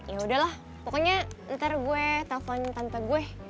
yaudahlah pokoknya ntar gue telfon tante gue